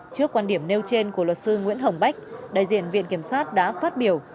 trước quan điểm nêu trên của luật sư nguyễn hồng bách đại diện viện kiểm sát đã phát biểu